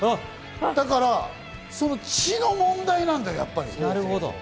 だから血の問題なんだよ、やっぱり。